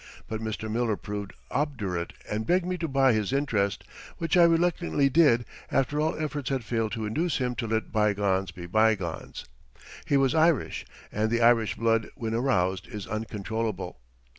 But Mr. Miller proved obdurate and begged me to buy his interest, which I reluctantly did after all efforts had failed to induce him to let bygones be bygones. He was Irish, and the Irish blood when aroused is uncontrollable.